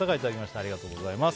ありがとうございます。